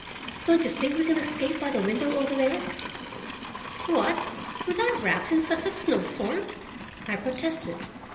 Don't you think we can escape by the window over there?" "What, without wraps and in such a snowstorm?" I protested.